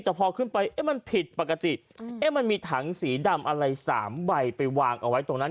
แต่พอขึ้นไปมันผิดปกติมันมีถังสีดำอะไร๓ใบไปวางเอาไว้ตรงนั้น